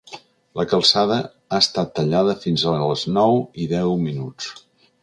La calçada ha estat tallada fins a les nou i deu minuts.